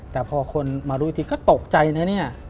แต่พอคนมารู้อีกทีก็ตกใจนะเนี่ย